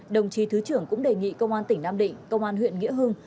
đồng chí thứ trưởng cũng đề nghị công an tỉnh nam định công an huyện nghĩa hưng